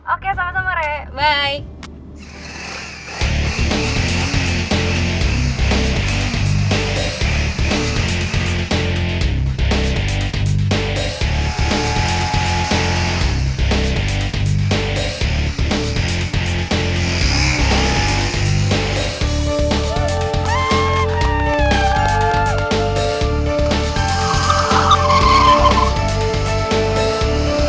oke sama sama rek bye